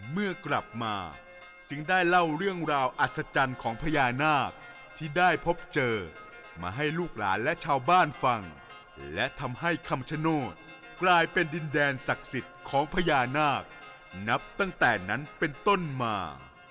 เมื่อกลับมาจึงได้เล่าเรื่องราวอัศจรรย์ของพญานาคที่ได้พบเจอมาให้ลูกหลานและชาวบ้านฟังและทำให้คำชโนธกลายเป็นดินแดนศักดิ์สิทธิ์ของพญานาคนับตั้งแต่นั้นเป็นต้นมา